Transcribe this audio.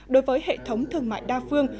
đối với hệ thống thương mại đa phương